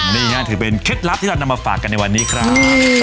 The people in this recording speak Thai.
นี่ฮะถือเป็นเคล็ดลับที่เรานำมาฝากกันในวันนี้ครับ